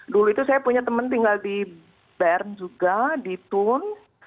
dulu itu saya punya teman tinggal di bern juga di tun